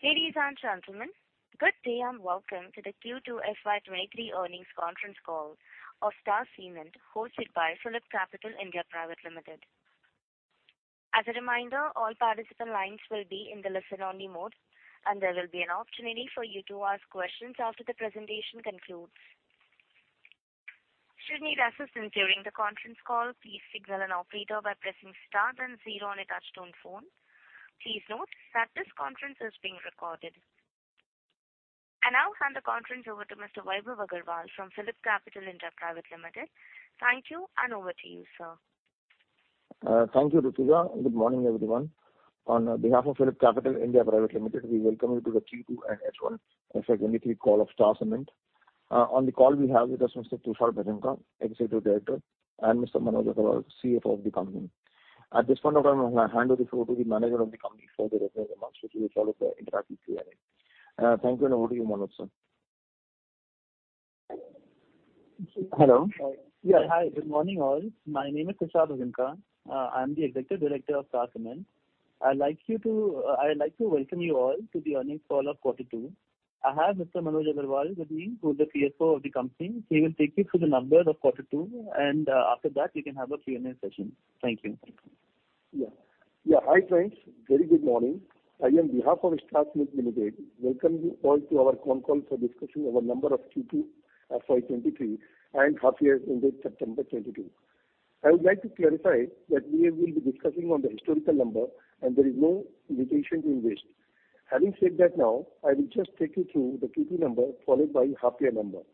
Ladies and gentlemen, good day and welcome to the Q2 FY23 earnings conference call of Star Cement hosted by PhillipCapital (India) Private Limited. As a reminder, all participant lines will be in the listen-only mode, and there will be an opportunity for you to ask questions after the presentation concludes. Should you need assistance during the conference call, please signal an operator by pressing star and zero on your touchtone phone. Please note that this conference is being recorded. I'll hand the conference over to Mr. Vaibhav Agarwal from PhillipCapital (India) Private Limited. Thank you, and over to you, sir. Thank you, Rutika. Good morning, everyone. On behalf of PhillipCapital (India) Private Limited, we welcome you to the Q2 and H1 FY23 call of Star Cement. On the call, we have with us Mr. Tushar Bhajanka, Executive Director, and Mr. Manoj Agarwal, CFO of the company. At this point of time, I'm going to hand over the floor to the management of the company for the opening remarks, which will follow the interactive Q&A. Thank you, and over to you, Manoj, sir. Hello. Yeah, hi. Good morning, all. My name is Tushar Bhajanka. I'm the Executive Director of Star Cement. I'd like to welcome you all to the earnings call of quarter two. I have Mr. Manoj Agarwal with me, who's the CFO of the company. He will take you through the numbers of quarter two, and after that, we can have a Q&A session. Thank you. Yeah. Yeah, hi friends. Very good morning. I am, on behalf of Star Cement Limited, welcoming you all to our phone call for discussing our numbers of Q2 FY23 and half-year ended September 2022. I would like to clarify that we will be discussing the historical numbers, and there is no invitation to invest. Having said that now, I will just take you through the Q2 numbers followed by half-year numbers.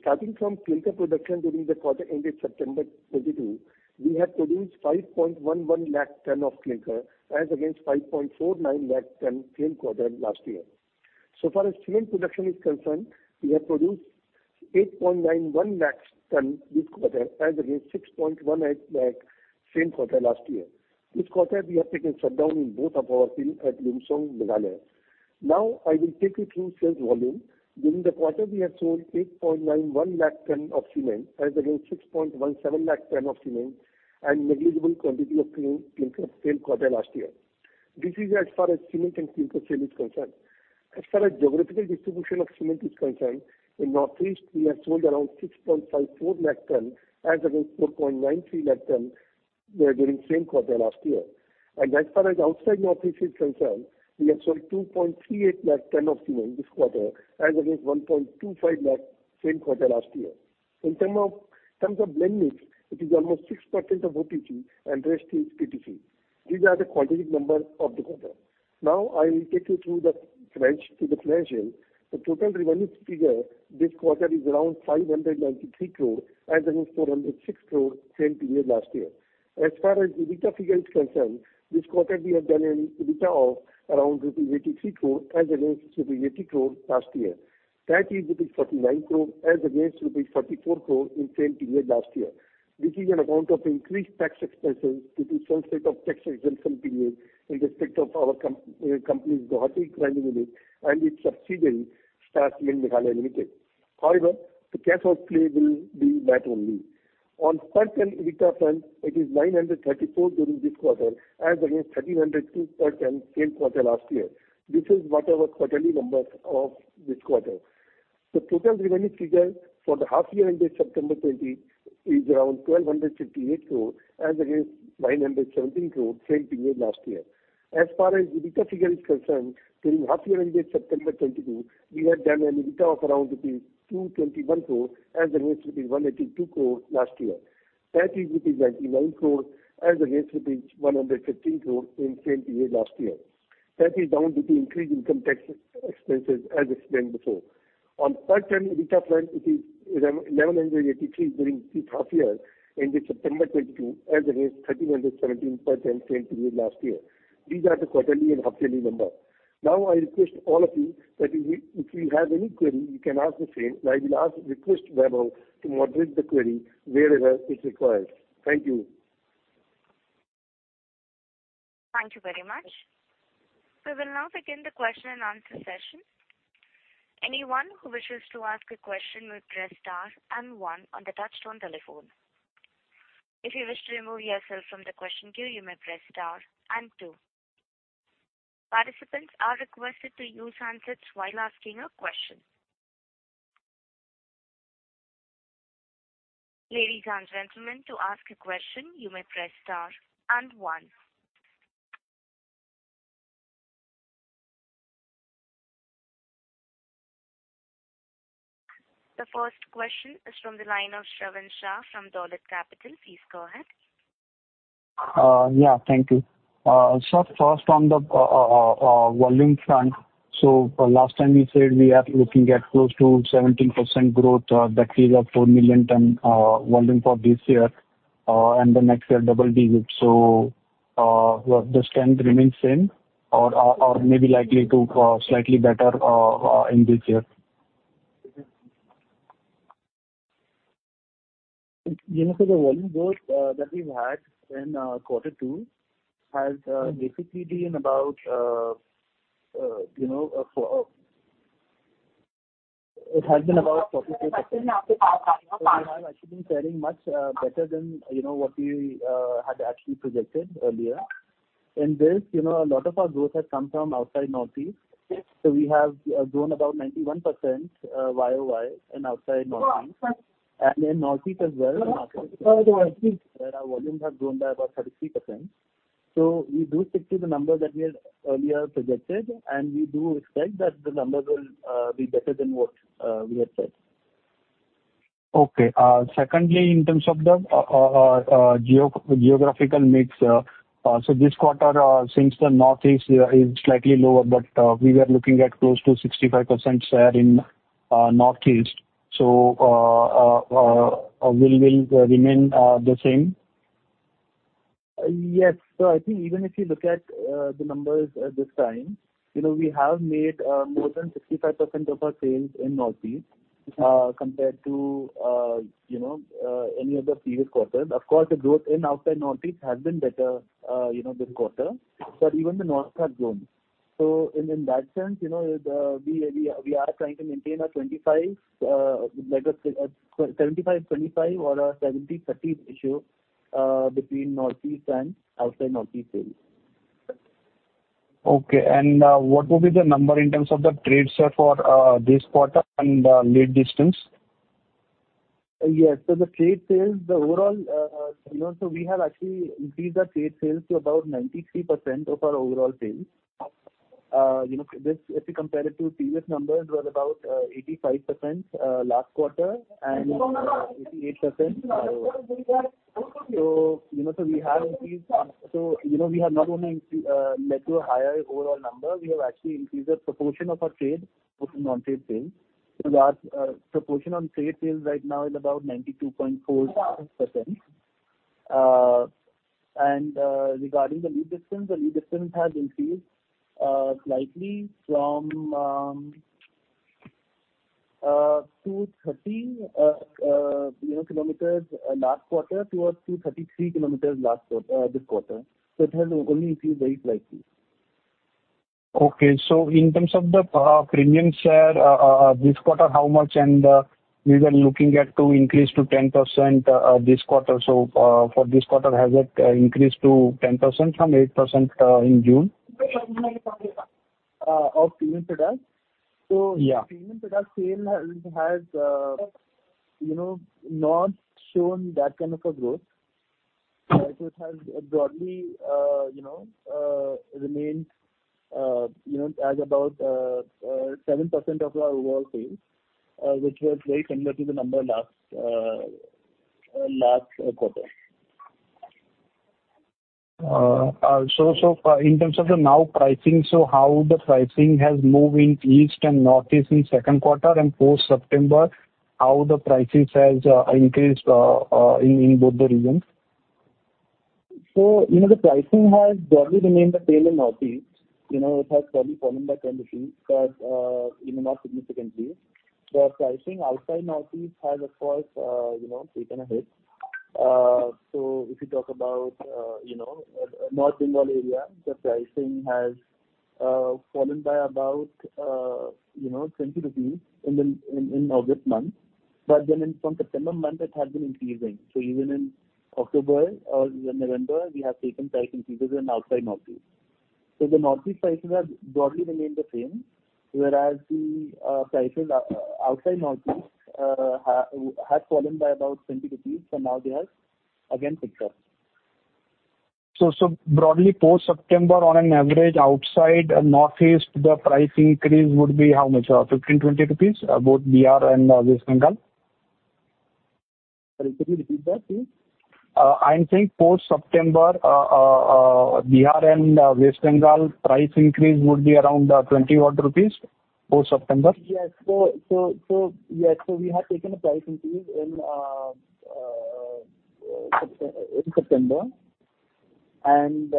Starting from clinker production during the quarter ended September 2022, we have produced 5.11 lakh tons of clinker as against 5.49 lakh tons same quarter last year. So far as cement production is concerned, we have produced 8.91 lakh tons this quarter as against 6.18 lakh same quarter last year. This quarter, we have taken shutdown in both of our fields at Lumshnong, Meghalaya. Now, I will take you through sales volume. During the quarter, we have sold 891,000 tons of cement as against 617,000 tons of cement and a negligible quantity of clinker same quarter last year. This is as far as cement and clinker sales is concerned. As far as geographical distribution of cement is concerned, in Northeast, we have sold around 654,000 tons as against 493,000 tons during same quarter last year. As far as outside Northeast is concerned, we have sold 238,000 tons of cement this quarter as against 125,000 same quarter last year. In terms of blend mix, it is almost 6% of OPC, and the rest is PPC. These are the quantitative numbers of the quarter. Now, I will take you through the financial. The total revenue figure this quarter is around 593 crore as against 406 crore same period last year. As far as EBITDA figure is concerned, this quarter, we have done an EBITDA of around rupees 83 crore as against rupees 80 crore last year. That is rupees 49 crore as against rupees 44 crore in same period last year. This is on account of increased tax expenses due to some set of tax exemption periods in respect of our company's Guwahati Grinding Unit and its subsidiary, Star Cement Meghalaya Limited. However, the cash outflow will be that only. On per-ton EBITDA front, it is 934 per ton during this quarter as against 1,302 per ton same quarter last year. This is what our quarterly numbers are of this quarter. The total revenue figure for the half-year ended September 20 is around 1,258 crore as against 917 crore same period last year. As far as EBITDA figure is concerned, during half-year ended September 2022, we have done an EBITDA of around 221 crore as against 182 crore last year. That is 99 crore as against 115 crore in same period last year. That is down due to increased income tax expenses as explained before. On per-ton EBITDA front, it is 1,183 during this half-year ended September 2022 as against 1,317 per-ton same period last year. These are the quarterly and half-yearly numbers. Now, I request all of you that if you have any query, you can ask the same, and I will request Vaibhav to moderate the query wherever it's required. Thank you. Thank you very much. We will now begin the question-and-answer session. Anyone who wishes to ask a question may press star and one on the touch-tone telephone. If you wish to remove yourself from the question queue, you may press star and two. Participants are requested to use handsets while asking a question. Ladies and gentlemen, to ask a question, you may press star and one. The first question is from the line of Shravan Shah from Dolat Capital. Please go ahead. Yeah, thank you. Sir, first on the volume front, so last time we said we are looking at close to 17% growth, that is a 4 million ton volume for this year and the next year double digit. So the strength remains same or may be likely to slightly better in this year. You know, sir, the volume growth that we've had in quarter two has basically been about 42%. So we have actually been faring much better than what we had actually projected earlier. In this, a lot of our growth has come from outside Northeast. So we have grown about 91% year-over-year in outside Northeast. And in Northeast as well, our volumes have grown by about 33%. So we do stick to the numbers that we had earlier projected, and we do expect that the numbers will be better than what we had said. Okay. Secondly, in terms of the geographical mix, so this quarter, since the Northeast is slightly lower, but we were looking at close to 65% share in Northeast. So will we remain the same? Yes. So I think even if you look at the numbers this time, we have made more than 65% of our sales in Northeast compared to any of the previous quarters. Of course, the growth in outside Northeast has been better this quarter, but even the North has grown. So in that sense, we are trying to maintain a 75/25 or a 70/30 ratio between Northeast and outside Northeast sales. Okay. And what will be the number in terms of the trades, sir, for this quarter and lead distance? Yes. So the trade sales, the overall so we have actually increased our trade sales to about 93% of our overall sales. If you compare it to previous numbers, it was about 85% last quarter and 88% YOY. So we have increased so we have not only led to a higher overall number, we have actually increased the proportion of our trade within non-trade sales. So that proportion on trade sales right now is about 92.4%. And regarding the lead distance, the lead distance has increased slightly from 230 km last quarter towards 233 km this quarter. So it has only increased very slightly. Okay. So in terms of the premium share this quarter, how much? And we were looking at to increase to 10% this quarter. So for this quarter, has it increased to 10% from 8% in June? Of cement product? Yeah. So the cement product sale has not shown that kind of a growth. So it has broadly remained at about 7% of our overall sales, which was very similar to the number last quarter. So, in terms of the new pricing, so how the pricing has moved in East and Northeast in second quarter and post-September, how the prices have increased in both the regions? So the pricing has broadly remained the same in Northeast. It has probably fallen back on the fees, but not significantly. The pricing outside Northeast has, of course, taken a hit. So if you talk about North Bengal area, the pricing has fallen by about 20 rupees in August month. But then from September month, it had been increasing. So even in October or November, we have taken price increases in outside Northeast. So the Northeast prices have broadly remained the same, whereas the prices outside Northeast had fallen by about 20 rupees, but now they have again picked up. Broadly, post-September, on an average, outside Northeast, the price increase would be how much? 15-20 rupees, both Bihar and West Bengal? Sorry, could you repeat that, please? I'm saying post-September, Bihar and West Bengal price increase would be around 20 rupees post-September. Yes. So yes, so we have taken a price increase in September. And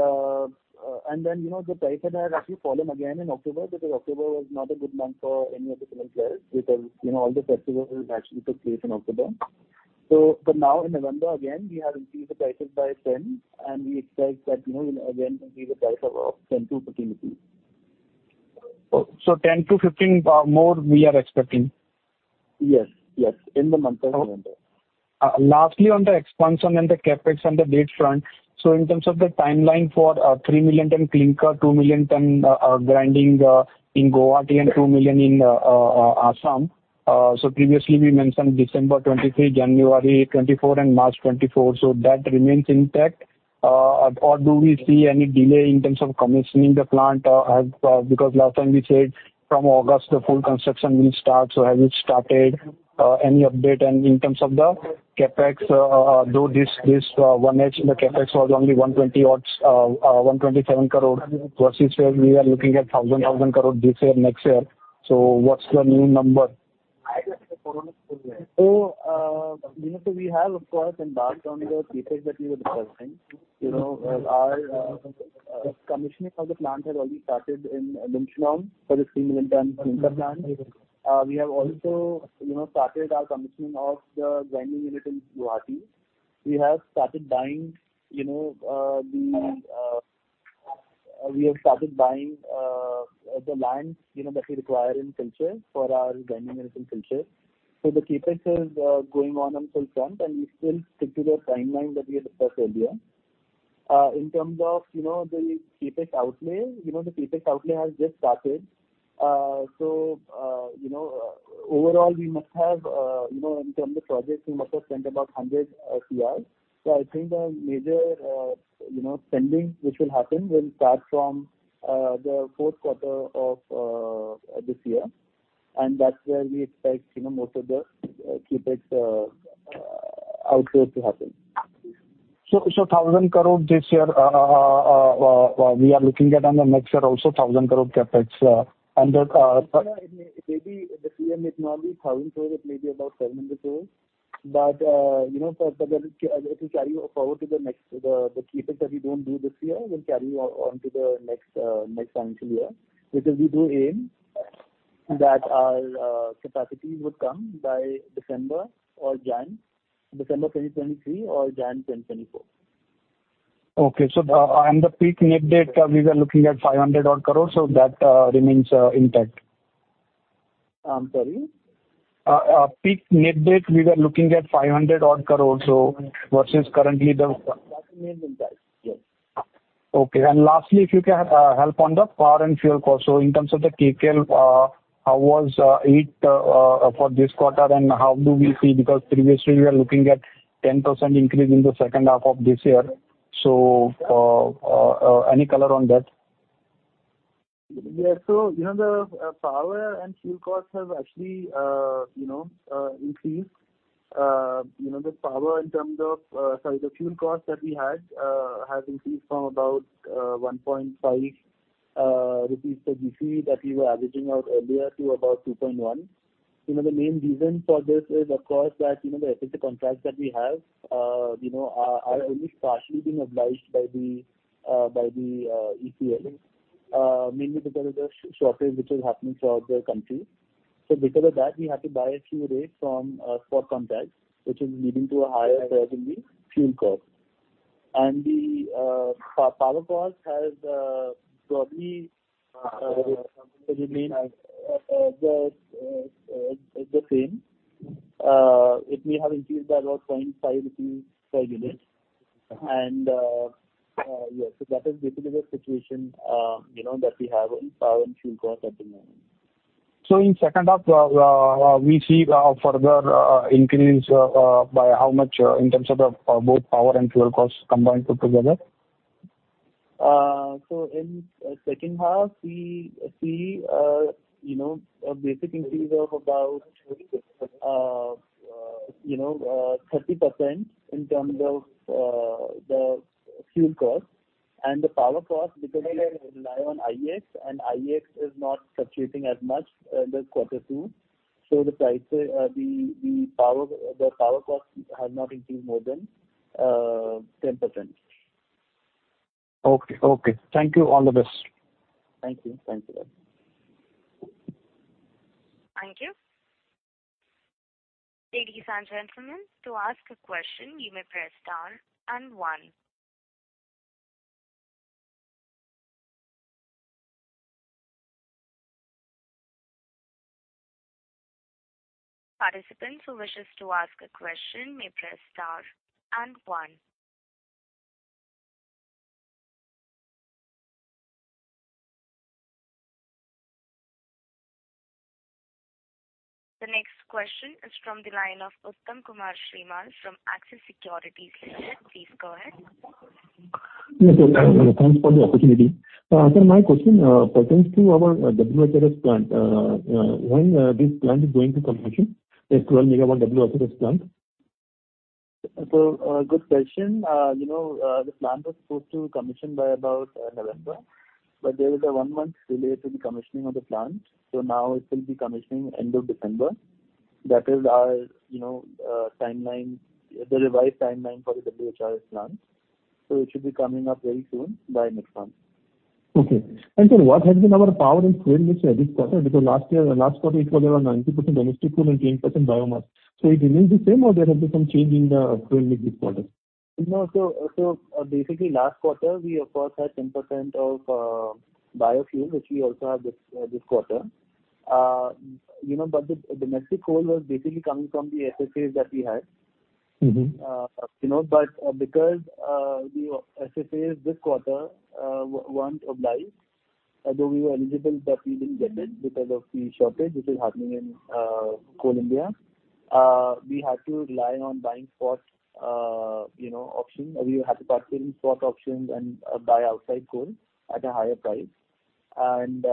then the prices have actually fallen again in October because October was not a good month for any of the cement players because all the festivals actually took place in October. But now in November, again, we have increased the prices by 10, and we expect that again, we will increase the price of INR 10-INR 15. 10-15 more, we are expecting? Yes. Yes, in the month of November. Lastly, on the expense and then the CapEx and the lead front, so in terms of the timeline for 3 million ton clinker, 2 million ton grinding in Guwahati and 2 million in Assam. So previously, we mentioned December 2023, January 2024, and March 2024. So that remains intact. Or do we see any delay in terms of commissioning the plant? Because last time we said from August, the full construction will start. So has it started? Any update? And in terms of the CapEx, though this 1H, the CapEx was only 120-odd, 127 crore versus where we are looking at 1,000 crore this year, next year. So what's the new number? So we have, of course, embarked on the project that we were discussing. Our commissioning of the plant has already started in Lumshnong for the 3 million ton clinker plant. We have also started our commissioning of the grinding unit in Guwahati. We have started buying the land that we require in Silchar for our grinding unit in Silchar. So the CapEx is going on in full front, and we still stick to the timeline that we had discussed earlier. In terms of the CapEx outlay, the CapEx outlay has just started. So overall, we must have in terms of projects, we must have spent about 100 crore. So I think the major spending which will happen will start from the fourth quarter of this year. And that's where we expect most of the CapEx outflow to happen. 1,000 crore this year, we are looking at, and the next year also, 1,000 crore CapEx. And. Maybe this year may not be 1,000 crore. It may be about 700 crore. But if we carry forward to the next the CapEx that we don't do this year will carry on to the next financial year, which is we do aim that our capacities would come by December or January, December 2023 or January 2024. Okay. And the peak net debt, we were looking at 500-odd crore. So that remains intact. I'm sorry? Peak net debt, we were looking at 500 odd crore. So versus currently, the. That remains intact. Yes. Okay. And lastly, if you can help on the power and fuel cost. So in terms of the Kcal, how was it for this quarter, and how do we see because previously, we were looking at 10% increase in the second half of this year? So any color on that? Yes. So the power and fuel costs have actually increased. The power in terms of sorry, the fuel cost that we had has increased from about 1.5 rupees per GCV that we were averaging out earlier to about 2.1. The main reason for this is, of course, that the FSA contracts that we have are only partially being obliged by the ECL, mainly because of the shortage which is happening throughout the country. So because of that, we had to buy a few rates from spot contracts, which is leading to a higher per-unit fuel cost. And the power cost has probably remained the same. It may have increased by about 0.5 rupees per unit. And yes, so that is basically the situation that we have in power and fuel costs at the moment. So in second half, we see a further increase by how much in terms of both power and fuel costs combined put together? So in second half, we see a basic increase of about 30% in terms of the fuel cost and the power cost because we rely on IEX, and IEX is not fluctuating as much in the quarter two. So the power cost has not increased more than 10%. Okay. Okay. Thank you. All the best. Thank you. Thanks for that. Thank you. Ladies and gentlemen, to ask a question, you may press star and one. Participants who wishes to ask a question may press star and one. The next question is from the line of Uttam Kumar Srimal from Axis Securities Limited. Please go ahead. Yes, sir. Thanks for the opportunity. Sir, my question pertains to our WHRS plant. When this plant is going to commission, the 12-MW WHRS plant? So good question. The plant was supposed to commission by about November, but there is a 1-month delay to the commissioning of the plant. So now it will be commissioning end of December. That is our timeline, the revised timeline for the WHRS plant. So it should be coming up very soon by next month. Okay. Sir, what has been our power and fuel mix this quarter? Because last quarter, it was around 90% domestic coal and 10% biomass. It remains the same, or there has been some change in the fuel mix this quarter? No. So basically, last quarter, we, of course, had 10% of biofuel, which we also have this quarter. But the domestic coal was basically coming from the FSAs that we had. But because the FSAs this quarter weren't obliged, though we were eligible, but we didn't get it because of the shortage, which is happening in Coal India, we had to rely on buying spot options. We had to participate in spot options and buy outside coal at a higher price. And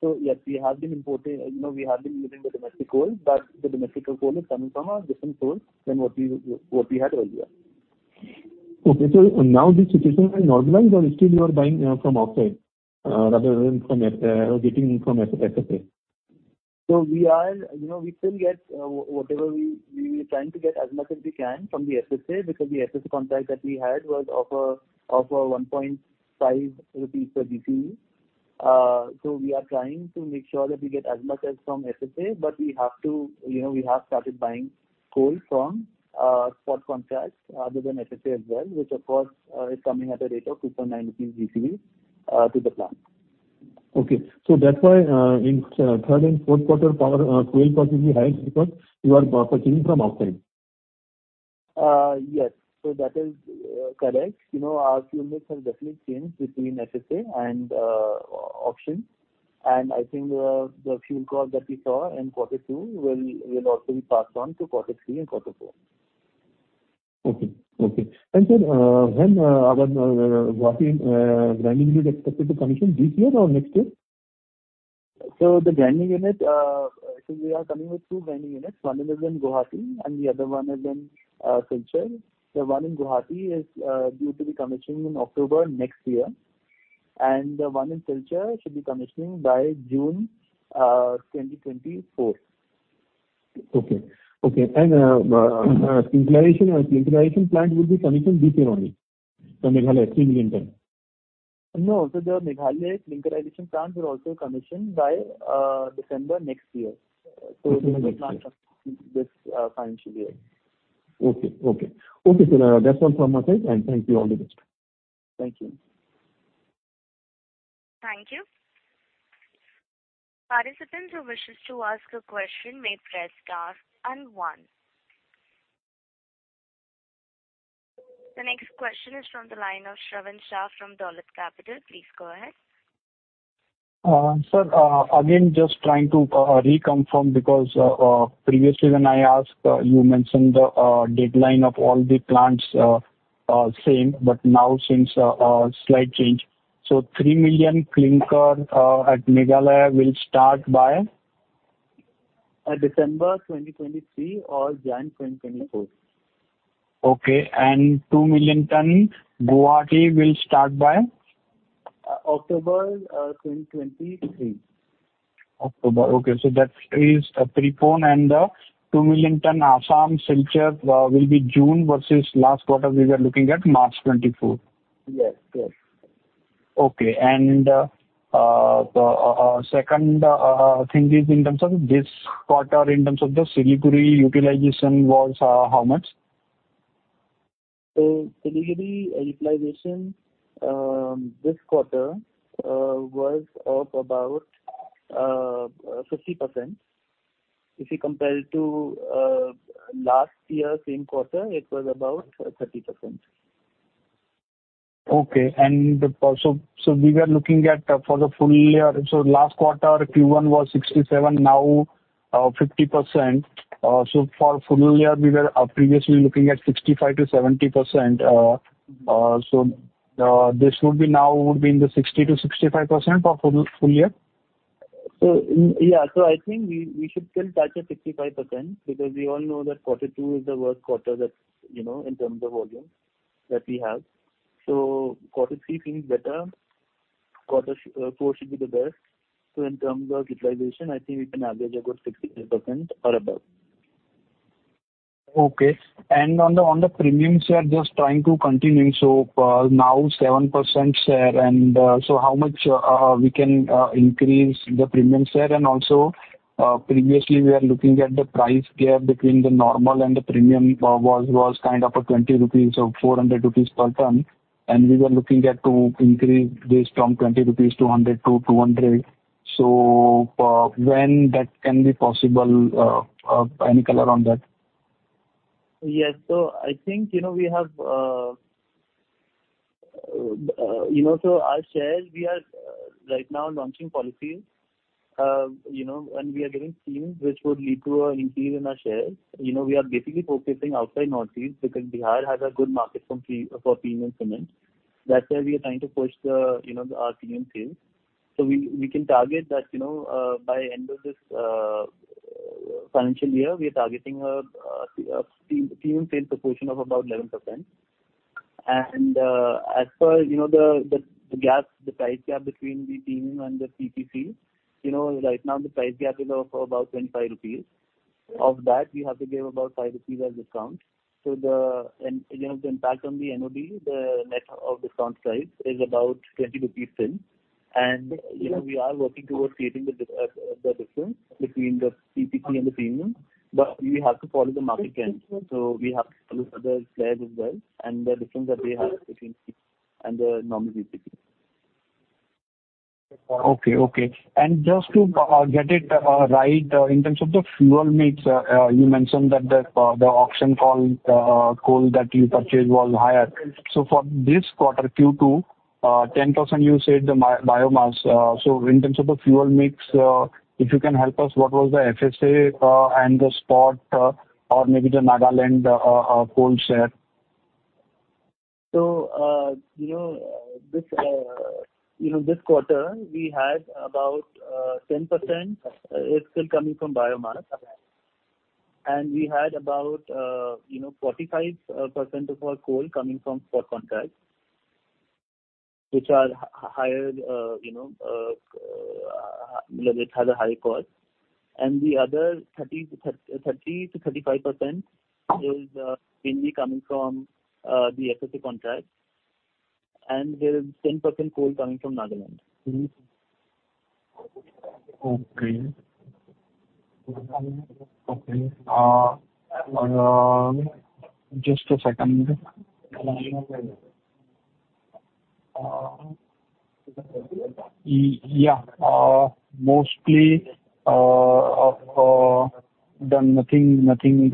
so yes, we have been importing, we have been using the domestic coal, but the domestic coal is coming from a different source than what we had earlier. Okay. So now this situation has normalized, or still you are buying from outside rather than getting from FSA? So we still get whatever we are trying to get as much as we can from the FSA because the FSA contract that we had was offer 1.5 rupees per GCV. So we are trying to make sure that we get as much as from FSA, but we have started buying coal from spot contracts other than FSA as well, which, of course, is coming at a rate of 2.9 rupees per GCV to the plant. Okay. So that's why in third and fourth quarter, fuel cost is higher because you are purchasing from outside? Yes. That is correct. Our fuel mix has definitely changed between FSA and options. I think the fuel cost that we saw in quarter two will also be passed on to quarter three and quarter four. Okay. Okay. Sir, when are the Guwahati grinding units expected to commission, this year or next year? So the grinding unit, so we are coming with two grinding units. One is in Guwahati, and the other one is in Silchar. The one in Guwahati is due to be commissioning in October next year. And the one in Silchar should be commissioning by June 2024. Okay. Okay. And the clinkerization plant will be commissioned this year only, the Meghalaya 3 million ton? No. So the Meghalaya clinkerization plant will also commission by December next year. So this will plant this financial year. Okay. Okay. Okay. That's all from my side. Thank you. All the best. Thank you. Thank you. Participants who wishes to ask a question may press star and one. The next question is from the line of Shravan Shah from Dolat Capital. Please go ahead. Sir, again, just trying to reconfirm because previously, when I asked, you mentioned the deadline of all the plants same, but now since a slight change. So 3 million clinker at Meghalaya will start by? December 2023 or January 2024. Okay. And 2 million ton Guwahati will start by? October 2023. October. Okay. So that is prepon and the 2 million ton Assam Silchar will be June versus last quarter we were looking at March 2024. Yes. Yes. Okay. And the second thing is in terms of this quarter, in terms of the Siliguri utilization was how much? Siliguri utilization this quarter was of about 50%. If you compare it to last year, same quarter, it was about 30%. Okay. And so we were looking at for the full year so last quarter, Q1 was 67, now 50%. So for full year, we were previously looking at 65%-70%. So this would be now would be in the 60%-65% for full year? So yeah. So I think we should still touch at 55% because we all know that quarter two is the worst quarter in terms of volume that we have. So quarter three seems better. Quarter four should be the best. So in terms of utilization, I think we can average a good 60% or above. Okay. And on the premium share, just trying to continue. So now 7% share. And so how much we can increase the premium share? And also, previously, we were looking at the price gap between the normal and the premium was kind of a 20 rupees or 400 rupees per ton. And we were looking at to increase this from 20 rupees to 100 to 200. So when that can be possible? Any color on that? Yes. So I think we have so our shares, we are right now launching policies, and we are giving themes which would lead to an increase in our shares. We are basically focusing outside Northeast because Bihar has a good market for Premium cement. That's where we are trying to push our Premium sales. So we can target that by the end of this financial year, we are targeting a Premium sales proportion of about 11%. And as per the gap, the price gap between the Premium and the PPC, right now, the price gap is of about 25 rupees. Of that, we have to give about 5 rupees as discount. So the impact on the NOD, the net of discount price, is about 20 rupees still. And we are working towards creating the difference between the PPC and the Premium, but we have to follow the market trend. We have to follow other players as well and the difference that they have between PPC and the normal PPC. Okay. Okay. And just to get it right, in terms of the fuel mix, you mentioned that the option coal that you purchased was higher. So for this quarter, Q2, 10% you said the biomass. So in terms of the fuel mix, if you can help us, what was the FSA and the spot or maybe the Nagaland coal share? This quarter, we had about 10% is still coming from biomass. We had about 45% of our coal coming from spot contracts, which are higher. It has a higher cost. The other 30%-35% is mainly coming from the FSA contracts. There is 10% coal coming from Nagaland. Okay. Okay. Just a second. Yeah. Mostly done. Nothing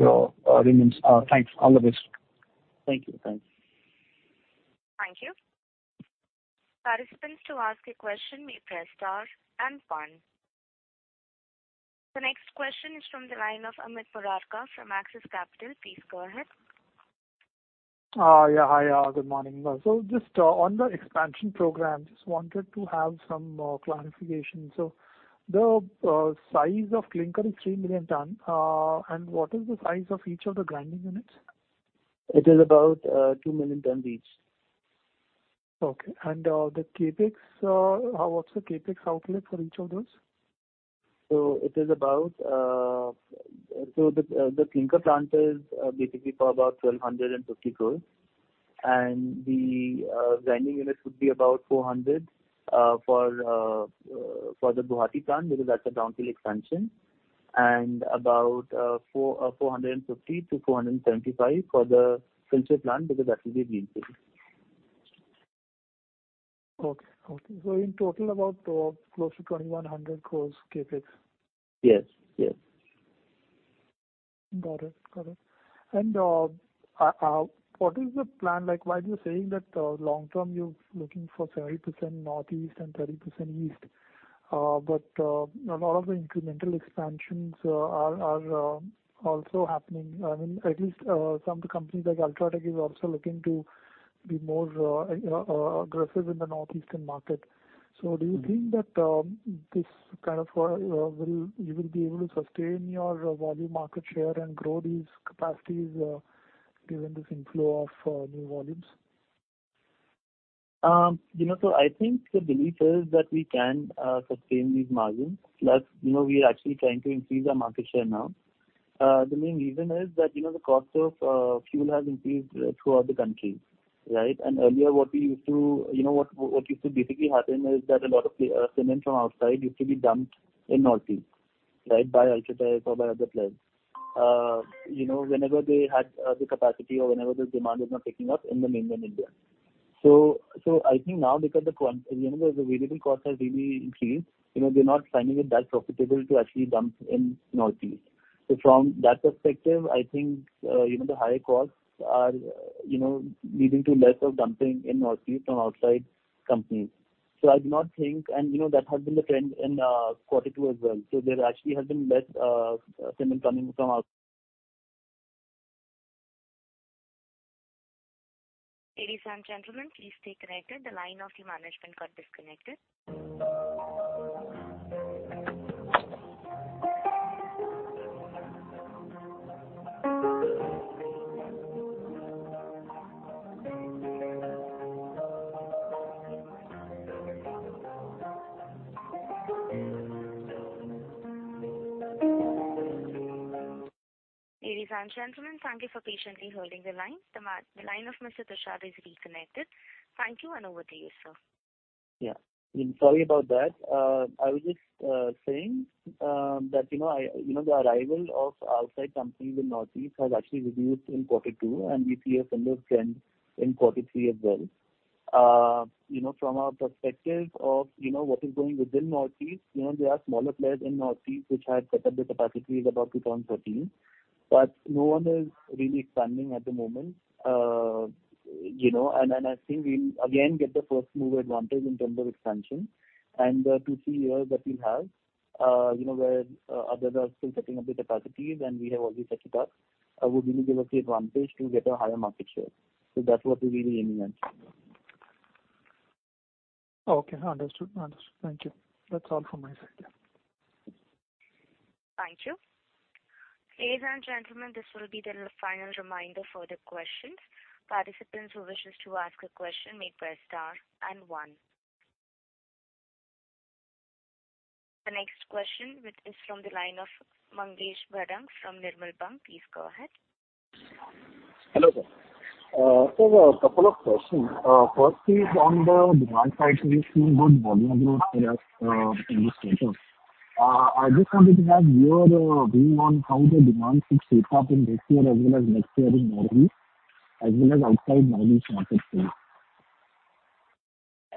remains. Thanks. All the best. Thank you. Thanks. Thank you. Participants who ask a question may press star and one. The next question is from the line of Amit Murarka from Axis Capital. Please go ahead. Yeah. Hi. Good morning. So just on the expansion program, just wanted to have some clarification. So the size of clinker is 3 million ton. And what is the size of each of the grinding units? It is about 2 million tons each. Okay. And what's the CapEx outlet for each of those? It is about the clinker plant is basically for about 1,250 crore. And the grinding units would be about 400 crore for the Guwahati plant because that's a brownfield expansion and about 450- 475 crore for the Silchar plant because that will be greenfield. Okay. Okay. So in total, about close to 2,100 crore Capex? Yes. Yes. Got it. Got it. What is the plan? Why are you saying that long-term, you're looking for 70% Northeast and 30% East? But a lot of the incremental expansions are also happening. I mean, at least some of the companies like UltraTech is also looking to be more aggressive in the Northeastern market. So do you think that this kind of will you will be able to sustain your volume market share and grow these capacities given this inflow of new volumes? So I think the belief is that we can sustain these margins. Plus, we are actually trying to increase our market share now. The main reason is that the cost of fuel has increased throughout the country, right? And earlier, what basically used to happen is that a lot of cement from outside used to be dumped in Northeast, right, by UltraTech or by other players whenever they had the capacity or whenever the demand was not picking up in the mainland India. So I think now because the variable cost has really increased, they're not finding it that profitable to actually dump in Northeast. So from that perspective, I think the higher costs are leading to less of dumping in Northeast from outside companies. So I do not think and that has been the trend in quarter two as well. So there actually has been less cement coming from outside. Ladies and gentlemen, please stay connected. The line of the management got disconnected. Ladies and gentlemen, thank you for patiently holding the line. The line of Mr. Tushar is reconnected. Thank you, and over to you, sir. Yeah. Sorry about that. I was just saying that the arrival of outside companies in Northeast has actually reduced in quarter two, and we see a similar trend in quarter three as well. From our perspective of what is going within Northeast, there are smaller players in Northeast which have set up their capacities about 2013, but no one is really expanding at the moment. And I think we'll, again, get the first move advantage in terms of expansion. And the two-three years that we'll have where others are still setting up their capacities and we have already set it up will really give us the advantage to get a higher market share. So that's what we're really aiming at. Okay. Understood. Understood. Thank you. That's all from my side. Thank you. Ladies and gentlemen, this will be the final reminder for the questions. Participants who wish to ask a question may press star and one. The next question is from the line of Mangesh Bhadang from Nirmal Bang. Please go ahead. Hello, sir. So a couple of questions. First is on the demand side, we've seen good volume growth in this quarter. I just wanted to have your view on how the demand should set up in this year as well as next year in Northeast as well as outside Northeast markets. Sorry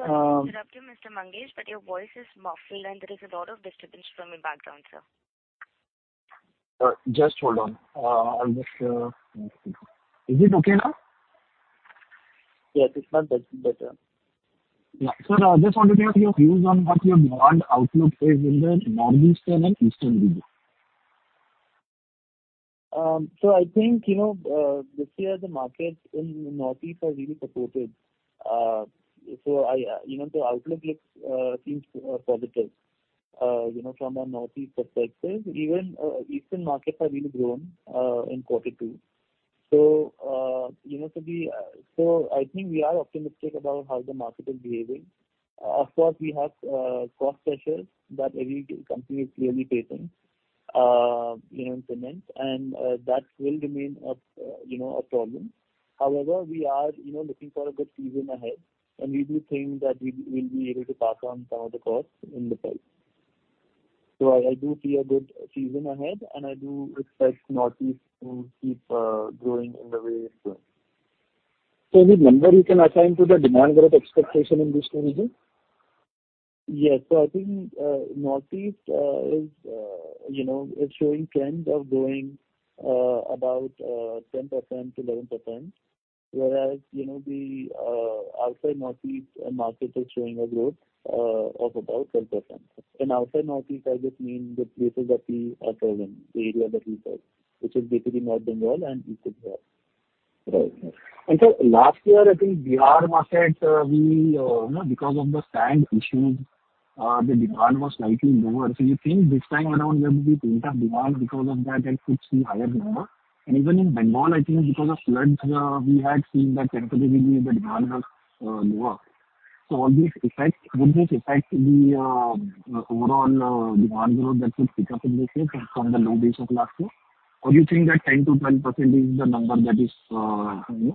to interrupt you, Mr. Mangesh, but your voice is muffled, and there is a lot of disturbance from your background, sir. Just hold on. Is it okay now? Yes. This time, that's better. Yeah. Sir, I just wanted to have your views on what your demand outlook is in the Northeastern and Eastern region? So I think this year, the markets in the Northeast are really supported. So the outlook seems positive from a Northeast perspective. Even Eastern markets have really grown in quarter two. So I think we are optimistic about how the market is behaving. Of course, we have cost pressures that every company is clearly facing in cement, and that will remain a problem. However, we are looking for a good season ahead, and we do think that we will be able to pass on some of the costs in the price. So I do see a good season ahead, and I do expect Northeast to keep growing in the way it's doing. Any number you can assign to the demand growth expectation in this region? Yes. I think Northeast is showing trends of growing about 10%-11%, whereas the outside Northeast market is showing a growth of about 12%. Outside Northeast, I just mean the places that we are serving, the area that we serve, which is basically North Bengal and East Bengal. Right. Right. And sir, last year, I think Bihar market, because of the sand issues, the demand was slightly lower. So you think this time around, there will be a point of demand because of that that could see higher number? And even in Bengal, I think because of floods, we had seen that temporarily, the demand was lower. So would this affect the overall demand growth that would pick up in this year from the low base of last year? Or do you think that 10%-12% is the number that is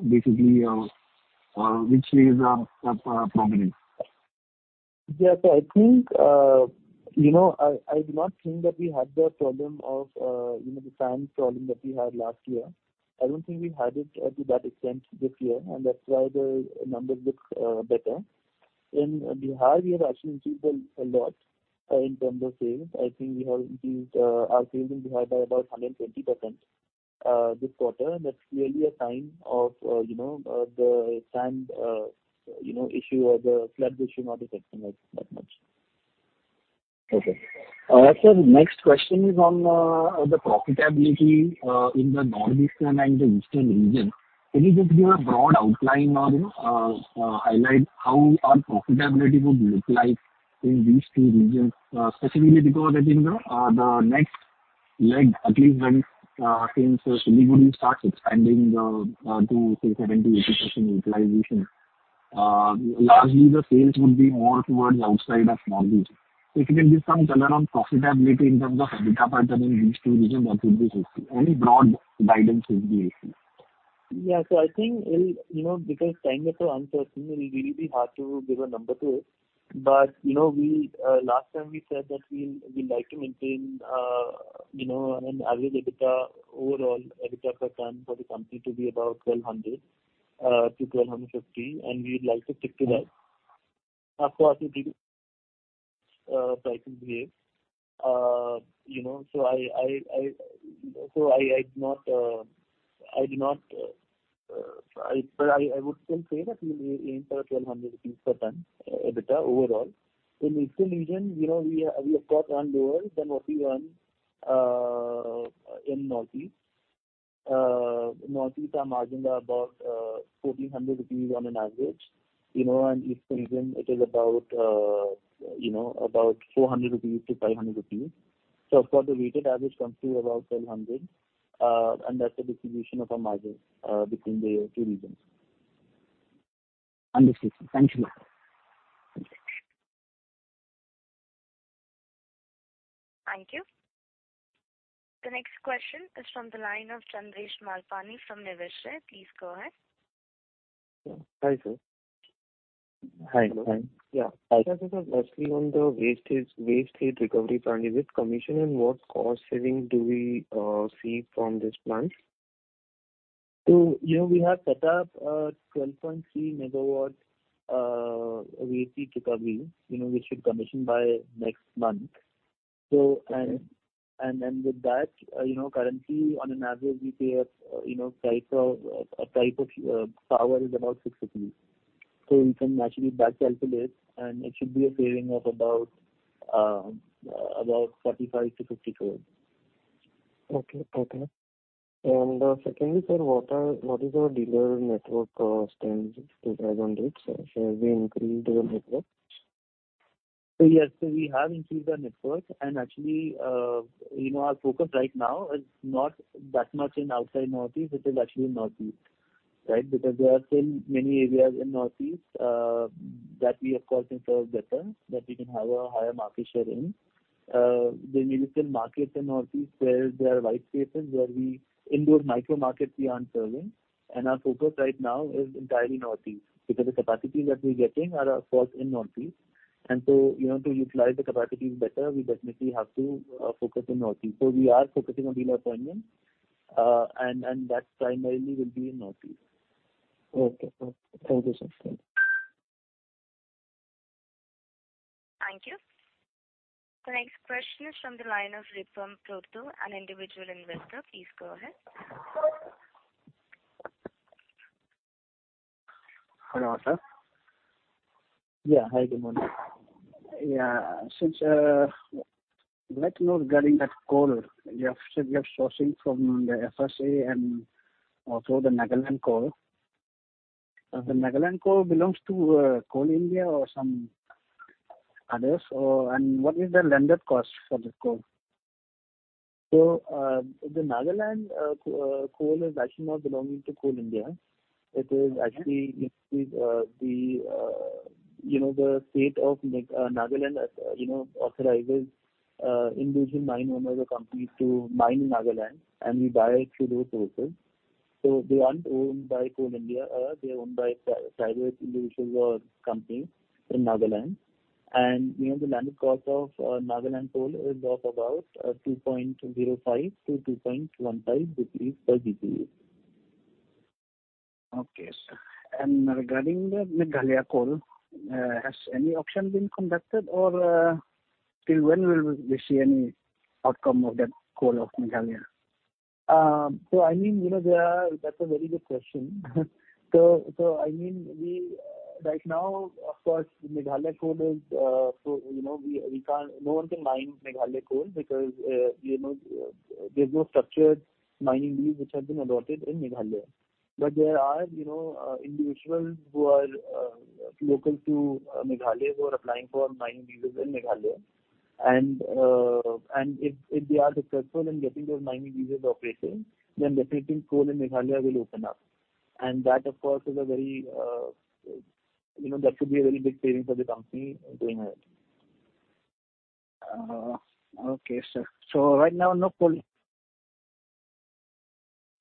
basically which is prominent? Yeah. So I think I do not think that we had the problem of the sand problem that we had last year. I don't think we had it to that extent this year, and that's why the numbers look better. In Bihar, we have actually increased a lot in terms of sales. I think we have increased our sales in Bihar by about 120% this quarter. And that's clearly a sign of the sand issue or the flood issue not affecting us that much. Okay. Sir, the next question is on the profitability in the Northeastern and the Eastern region. Can you just give a broad outline or highlight how our profitability would look like in these two regions, specifically because I think the next leg, at least since Siliguri starts expanding to, say, 70%-80% utilization, largely, the sales would be more towards outside of Northeast. So if you can give some color on profitability in terms of EBITDA in these two regions, that would be helpful. Any broad guidance would be helpful. Yeah. So I think because time is so uncertain, it will really be hard to give a number to it. But last time, we said that we'd like to maintain an average EBITDA, overall EBITDA margin for the company to be about 1,200-1,250, and we would like to stick to that. Of course, it really affects pricing behavior. So I do not, but I would still say that we'll aim for a 1,200 rupees per ton EBITDA overall. In the Eastern region, we, of course, run lower than what we run in Northeast. Northeast, our margin is about 1,400 rupees on an average. In the Eastern region, it is about 400-500 rupees. So, of course, the weighted average comes to about 1,200, and that's the distribution of our margin between the two regions. Understood. Thank you. Thank you. The next question is from the line of Chandresh Malpani from Niveshaay. Please go ahead. Hi, sir. Hi. Hi. Yeah. Hi. This is firstly on the Waste Heat Recovery System. Is it commissioned, and what cost savings do we see from this plant? So we have set up a 12.3 megawatt waste heat recovery, which we commissioned by next month. And with that, currently, on average, we pay a price of a type of power is about 6. So we can actually backcalculate, and it should be a saving of about 0.45-0.50. Okay. Okay. Secondly, sir, what is our dealer network stands as on dates? Have we increased the network? So yes. We have increased our network. Actually, our focus right now is not that much outside Northeast. It is actually in Northeast, right, because there are still many areas in Northeast that we, of course, can serve better, that we can have a higher market share in. There may still be markets in Northeast where there are white spaces where in our micro markets we aren't serving. Our focus right now is entirely Northeast because the capacities that we're getting are, of course, in Northeast. To utilize the capacities better, we definitely have to focus in Northeast. We are focusing on dealer appointments, and that primarily will be in Northeast. Okay. Okay. Thank you, sir. Thank you. Thank you. The next question is from the line of Rupam Patwa, an Individual Investor. Please go ahead. Hello, sir. Yeah. Hi. Good morning. Yeah. Let's know regarding that coal. We have sourcing from the FSA and also the Nagaland coal. The Nagaland coal belongs to Coal India or some others? And what is the landed cost for this coal? So the Nagaland coal is actually not belonging to Coal India. It is actually the state of Nagaland authorizes individual mine owners or companies to mine in Nagaland, and we buy it through those sources. So they aren't owned by Coal India. They're owned by private individuals or companies in Nagaland. And the landed cost of Nagaland coal is of about 2.05-2.15 rupees per GCV. Okay. Regarding the Meghalaya coal, has any auction been conducted, or till when will we see any outcome of that coal of Meghalaya? So I mean, that's a very good question. So I mean, right now, of course, Meghalaya coal, no one can mine Meghalaya coal because there's no structured mining deeds which have been allotted in Meghalaya. But there are individuals who are local to Meghalaya who are applying for mining deeds in Meghalaya. And if they are successful in getting those mining deeds operating, then definitely, coal in Meghalaya will open up. And that, of course, is a very, that could be a very big savings for the company going ahead. Okay, sir. So right now, no coal.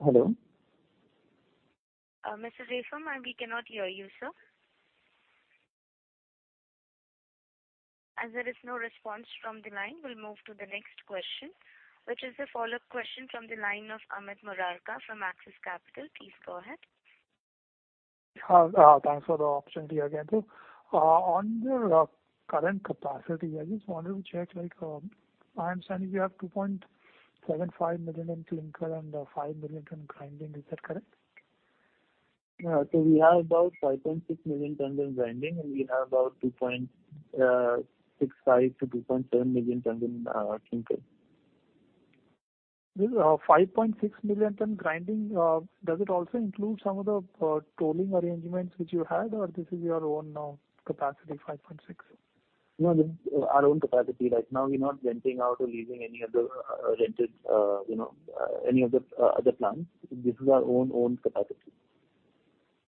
Hello? Mr. Jaiswal, we cannot hear you, sir. As there is no response from the line, we'll move to the next question, which is the follow-up question from the line of Amit Murarka from Axis Capital. Please go ahead. Thanks for the opportunity again. So on your current capacity, I just wanted to check. I am seeing you have 2.75 million in clinker and 5 million tons grinding. Is that correct? We have about 5.6 million tons in grinding, and we have about 2.65-2.7 million tons in clinker. This 5.6 million tons grinding, does it also include some of the tolling arrangements which you had, or this is your own capacity, 5.6? No, this is our own capacity. Right now, we're not renting out or leasing any of the other plants. This is our own capacity.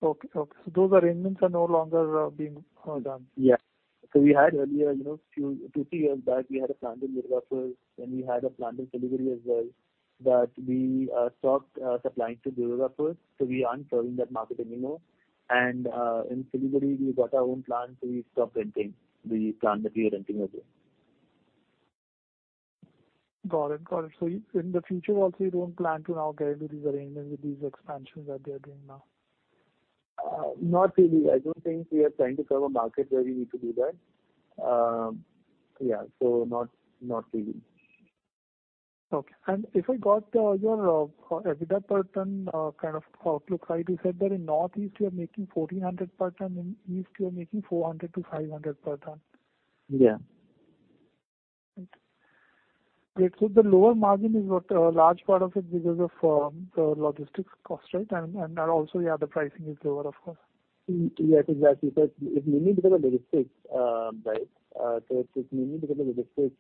Okay. Okay. So those arrangements are no longer being done? Yeah. So we had earlier, two to three years back, we had a plant in Durgapur, and we had a plant in Siliguri as well that we stopped supplying to Durgapur. So we aren't serving that market anymore. And in Siliguri, we got our own plant, so we stopped renting the plant that we are renting as well. Got it. Got it. So in the future, also, you don't plan to now get into these arrangements with these expansions that they are doing now? Not really. I don't think we are trying to serve a market where we need to do that. Yeah. So not really. Okay. And if I got your EBITDA kind of outlook right, you said that in Northeast, you are making 1,400 per ton. In East, you are making 400-500 per ton. Yeah. Right. Great. So the lower margin is a large part of it because of the logistics cost, right? And also, yeah, the pricing is lower, of course. Yes. Exactly. So it's mainly because of logistics, right? So it's mainly because of logistics.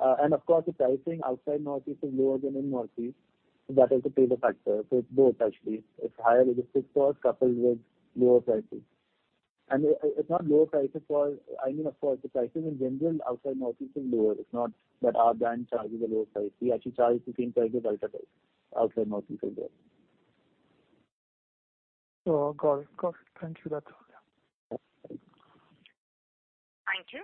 And of course, the pricing outside Northeast is lower than in Northeast. So that is the payload factor. So it's both, actually. It's higher logistics cost coupled with lower prices. And it's not lower prices, I mean, of course, the prices in general outside Northeast are lower. It's not that Adani charges a lower price. He actually charges the same price as Ultratech outside Northeast as well. Got it. Got it. Thank you. That's all. Yeah. Thank you.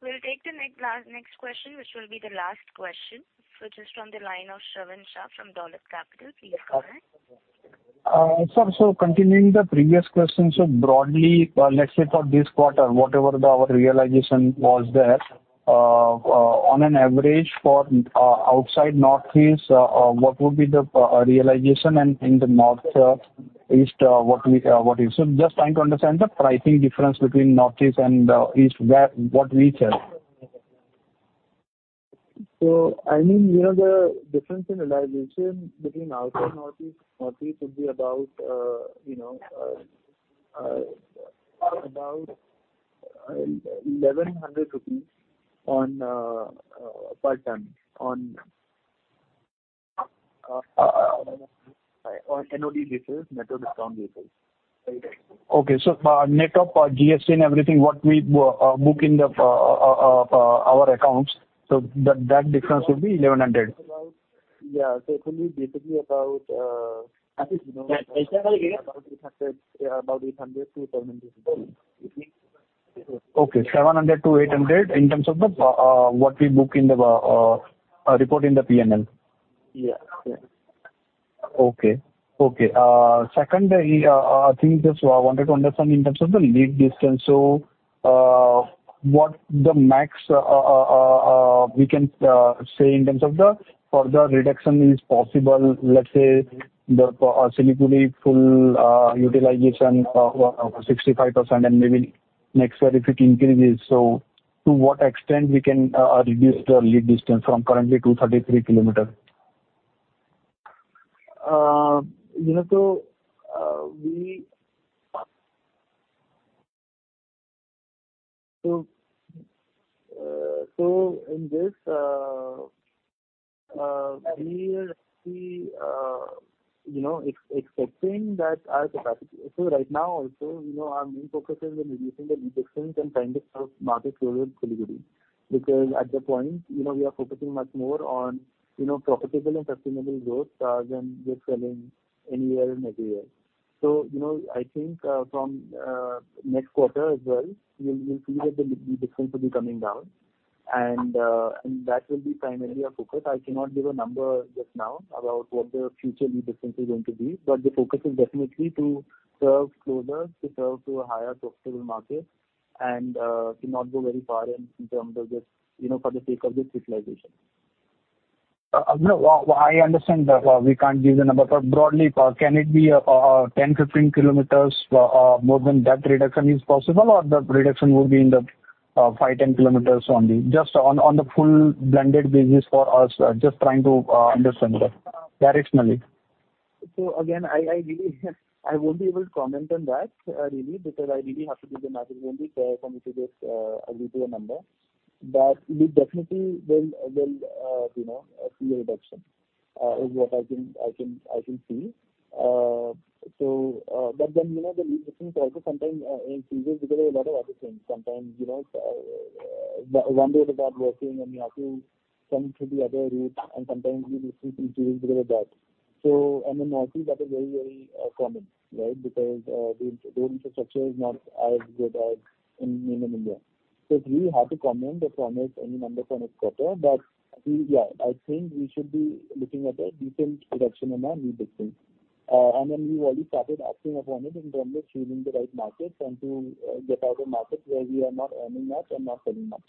We'll take the next question, which will be the last question. So just from the line of Shravan Shah from Dolat Capital. Please go ahead. So continuing the previous question, so broadly, let's say for this quarter, whatever our realization was there, on an average for outside Northeast, what would be the realization? And in the Northeast, what is? So just trying to understand the pricing difference between Northeast and East, what we sell. So I mean, the difference in realization between outside Northeast, Northeast would be about 1,100 rupees per ton on NOD basis, net of discount basis. Right? Okay. So net of GST and everything, what we book in our accounts, so that difference would be 1,100? Yeah. So it will be basically about. Yeah. I said that again. About 800-700. Okay. 700-800 in terms of what we book in the report in the P&L? Yeah. Yeah. Okay. Okay. Second, I think just wanted to understand in terms of the lead distance. So what the max we can say in terms of the further reduction is possible, let's say, the Siliguri full utilization of 65% and maybe next year if it increases. So to what extent we can reduce the lead distance from currently 233 km? So, in this, we are actually expecting that our capacity so right now, also, our main focus is on reducing the lead distance and trying to serve markets closer in Siliguri because at this point, we are focusing much more on profitable and sustainable growth rather than just selling anywhere and everywhere. So, I think from next quarter as well, we'll see that the lead distance will be coming down, and that will be primarily our focus. I cannot give a number just now about what the future lead distance is going to be, but the focus is definitely to serve closer, to serve to a higher profitable market, and to not go very far in terms of just for the sake of just utilization. No. I understand that we can't give the number. But broadly, can it be 10-15 kilometers more than that reduction is possible, or the reduction would be in the five-10 kilometers only? Just on the full blended basis for us, just trying to understand that directionally. So, again, I won't be able to comment on that, really, because I really have to give the number. It won't be fair for me to just agree to a number. But we definitely will see a reduction is what I can see. But then the lead distance also sometimes increases because of a lot of other things. Sometimes one road is not working, and we have to send to the other route, and sometimes lead distance increases because of that. And in Northeast, that is very, very common, right, because the road infrastructure is not as good as in India. So it's really hard to comment or promise any number for next quarter. But yeah, I think we should be looking at a decent reduction in our lead distance. And then we've already started acting upon it in terms of choosing the right markets and to get out of markets where we are not earning much and not selling much.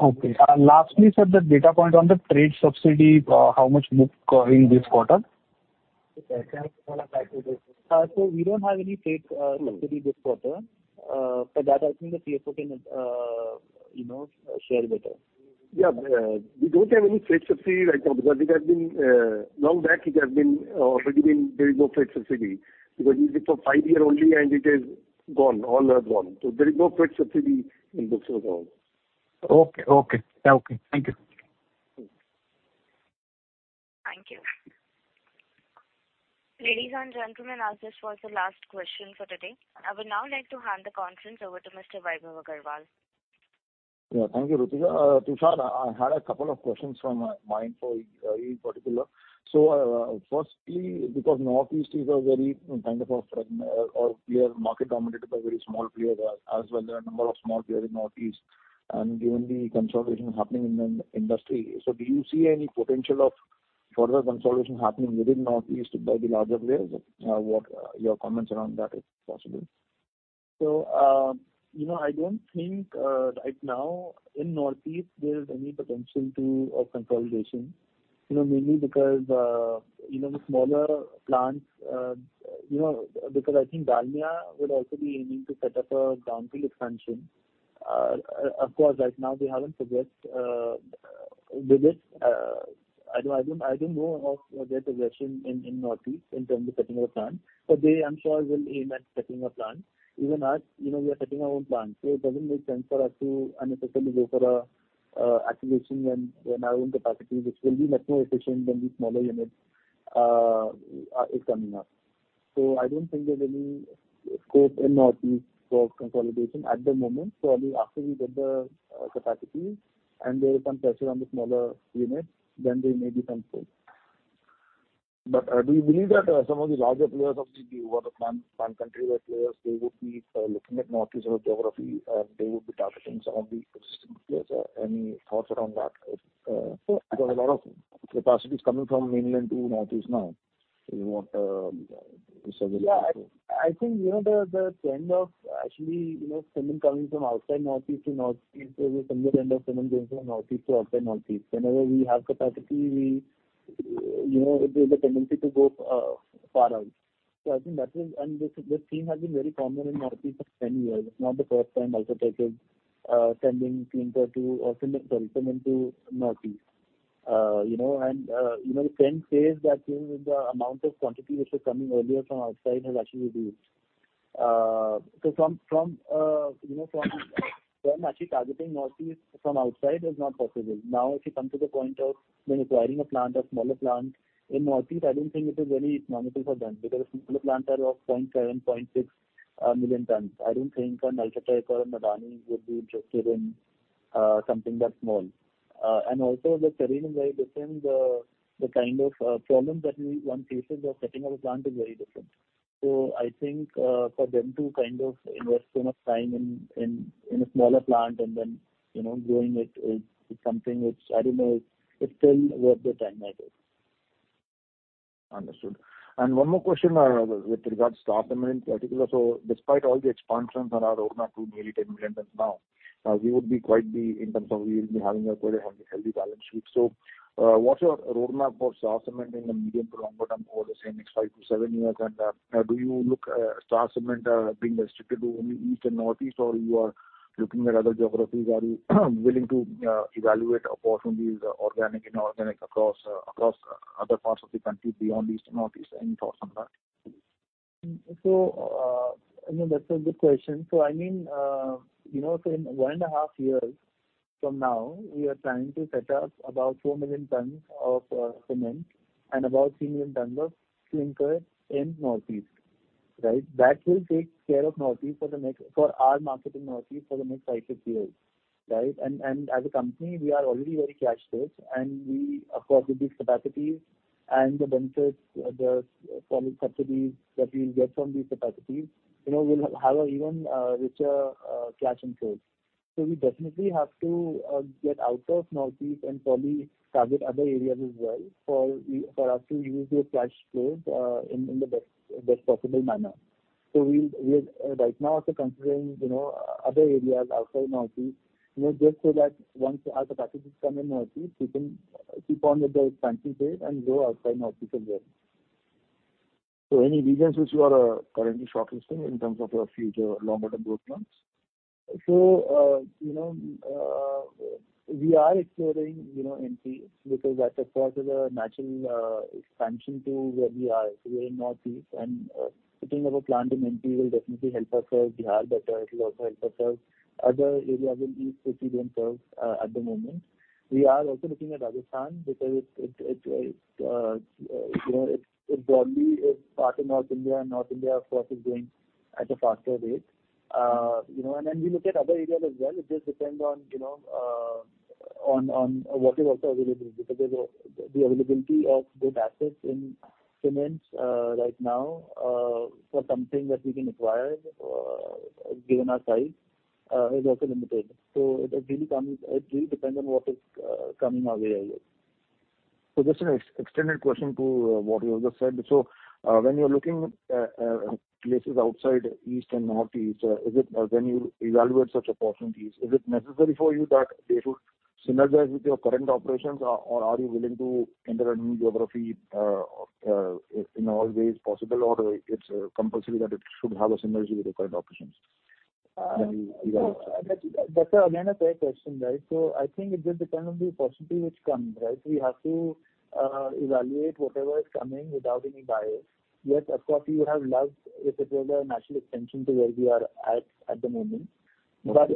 Okay. Lastly, sir, the data point on the trade subsidy, how much book in this quarter? So we don't have any trade subsidy this quarter. For that, I think the CFO can share better. Yeah. We don't have any trade subsidy. Obviously, long back, it has already been there is no trade subsidy because it's for five years only, and it is gone. All are gone. So there is no trade subsidy in books of accounts. Okay. Okay. Yeah. Okay. Thank you. Thank you. Ladies and gentlemen, as this was the last question for today, I would now like to hand the conference over to Mr. Vaibhav Agarwal. Yeah. Thank you, Rutika. Tushar, I had a couple of questions from my info in particular. So firstly, because Northeast is a very kind of a player market dominated by very small players as well, there are a number of small players in Northeast and given the consolidation happening in the industry. So do you see any potential of further consolidation happening within Northeast by the larger players? What are your comments around that, if possible? So I don't think right now in Northeast, there is any potential of consolidation, mainly because the smaller plants because I think Dalmia will also be aiming to set up a greenfield expansion. Of course, right now, they haven't progressed with it. I don't know of their progression in Northeast in terms of setting up a plant, but I'm sure they will aim at setting up a plant. Even us, we are setting our own plant. So it doesn't make sense for us to unnecessarily go for an acquisition when our own capacity, which will be much more efficient than the smaller units, is coming up. So I don't think there's any scope in Northeast for consolidation at the moment. Probably after we get the capacity and there is some pressure on the smaller units, then there may be some scope. Do you believe that some of the larger players, some of the water plant country-wide players, they would be looking at Northeast geography, and they would be targeting some of the existing players? Any thoughts around that? Because a lot of capacity is coming from mainland to Northeast now. Is what you said earlier. Yeah. I think the trend of actually cement coming from outside Northeast to Northeast, there's a similar trend of cement going from Northeast to outside Northeast. Whenever we have capacity, there's a tendency to go far out. So I think that is and this thing has been very common in Northeast for 10 years. It's not the first time UltraTech is sending clinker to or cement, sorry, cement to Northeast. And the trend says that the amount of quantity which is coming earlier from outside has actually reduced. So from them actually targeting Northeast from outside is not possible. Now, if you come to the point of them acquiring a plant, a smaller plant in Northeast, I don't think it is very economical for them because the smaller plants are of 0.7, 0.6 million tons. I don't think an UltraTech or a Dalmia would be interested in something that small. And also, the terrain is very different. The kind of problems that one faces of setting up a plant is very different. So I think for them to kind of invest so much time in a smaller plant and then growing it is something which I don't know if it's still worth their time either. Understood. And one more question with regards to our cement in particular. So despite all the expansions on our roadmap to nearly 10 million tons now, we would be quite the in terms of we would be having quite a healthy balance sheet. So what's your roadmap for Star Cement in the medium to longer term over the same next 5-7 years? And do you look at Star Cement being restricted to only East and Northeast, or you are looking at other geographies? Are you willing to evaluate opportunities, organic, inorganic, across other parts of the country beyond East and Northeast? Any thoughts on that? So that's a good question. So I mean, so in one and a half years from now, we are trying to set up about 4 million tons of cement and about 3 million tons of clinker in Northeast, right? That will take care of Northeast for our market in Northeast for the next 5-6 years, right? And as a company, we are already very cash-rich, and of course, with these capacities and the benefits, the subsidies that we'll get from these capacities, we'll have an even richer cash inflow. So we definitely have to get out of Northeast and probably target other areas as well for us to use those cash flows in the best possible manner. So right now, also considering other areas outside Northeast just so that once our capacity comes in Northeast, we can keep on with the expansion phase and grow outside Northeast as well. So any regions which you are currently shortlisting in terms of your future longer-term growth plans? So we are exploring MP because that, of course, is a natural expansion to where we are. So we are in Northeast, and putting up a plant in MP will definitely help us serve Bihar better. It will also help us serve other areas in East which we don't serve at the moment. We are also looking at Rajasthan because it broadly is part of North India, and North India, of course, is growing at a faster rate. And then we look at other areas as well. It just depends on what is also available because the availability of good assets in cement right now for something that we can acquire given our size is also limited. So it really depends on what is coming our way either. Just an extended question to what you just said. When you're looking at places outside East and Northeast, when you evaluate such opportunities, is it necessary for you that they should synergize with your current operations, or are you willing to enter a new geography in all ways possible, or it's compulsory that it should have a synergy with your current operations when you evaluate such? So that's again a fair question, right? So I think it just depends on the opportunity which comes, right? We have to evaluate whatever is coming without any bias. Yes, of course, we would have loved if it was a natural extension to where we are at the moment. But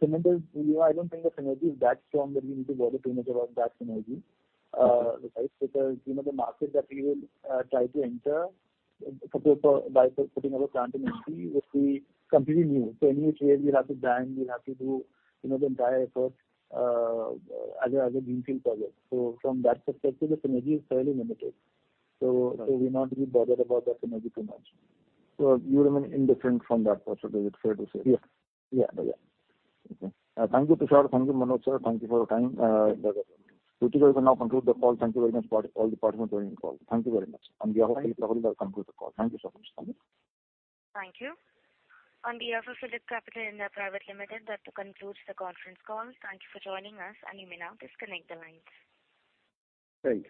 cement is, I don't think the synergy is that strong that we need to worry too much about that synergy, right, because the market that we will try to enter by putting up a plant in MP would be completely new. So any trail we'll have to blaze, we'll have to do the entire effort as a greenfield project. So from that perspective, the synergy is fairly limited. So we're not really bothered about that synergy too much. You remain indifferent from that perspective. It's fair to say. Yes. Yeah. Yeah. Okay. Thank you, Tushar. Thank you, Manoj sir. Thank you for your time. Rutika, you can now conclude the call. Thank you very much, all the participants joining the call. Thank you very much. On behalf of Phillip Capital, I'll conclude the call. Thank you so much. Thank you. On behalf of PhillipCapital (India) Private Limited, that concludes the conference call. Thank you for joining us, and you may now disconnect the lines. Thank you.